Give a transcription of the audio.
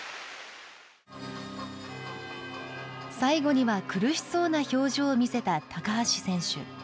最後には苦しそうな表情を見せた高橋選手。